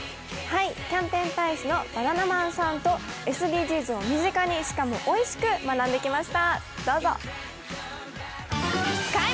キャンペーン大使のバナナマンさんとＳＤＧｓを身近に、しかもおいしく学んできました。